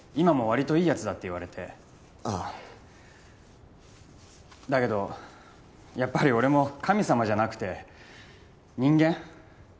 「わりといいやつだ」って言われてあだけどやっぱり俺も神様じゃなくて人間？